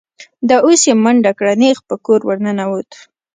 دا اوس یې منډه کړه، نېغ په کور ور ننوت.